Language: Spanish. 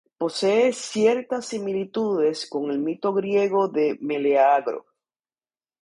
Posee ciertas similitudes con el mito griego de Meleagro.